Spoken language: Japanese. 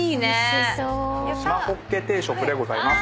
しまほっけ定食でございます。